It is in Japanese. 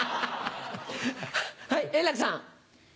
はい円楽さん。